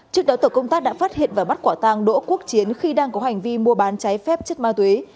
trước đó tổ công tác đã phát hiện và bắt quả tàng đỗ quốc chiến khi đang có hành vi mua bán trái phép chất ma túy